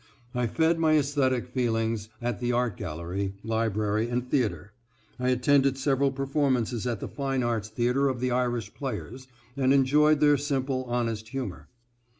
I fed my esthetic feelings at the art gallery, library, and theatre. I attended several performances at the Fine Arts Theatre of the Irish Players, and enjoyed their simple, honest humor.